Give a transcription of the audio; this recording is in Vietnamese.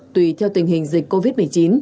tùy theo tình hình dịch covid một mươi chín